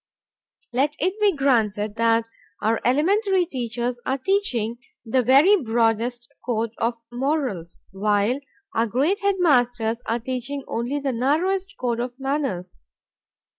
Let it be granted that our elementary teachers are teaching the very broadest code of morals, while our great headmasters are teaching only the narrowest code of manners.